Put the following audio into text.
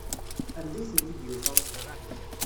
Anda ay tent-id-yufa?